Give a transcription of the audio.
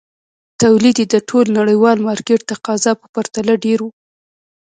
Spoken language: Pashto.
تولید یې د ټول نړیوال مارکېټ تقاضا په پرتله ډېر وو.